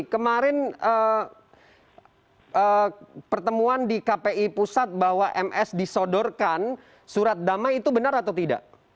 kemarin pertemuan di kpi pusat bahwa ms disodorkan surat damai itu benar atau tidak